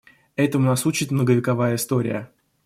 Этому нас учит многовековая история.